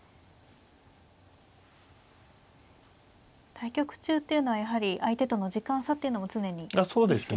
対局中っていうのはやはり相手との時間差っていうのも常に意識しながらですか。